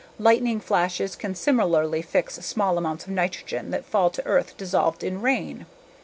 Lightning flashes can similarly fix small amounts of nitrogen that fall to earth dissolved in rain.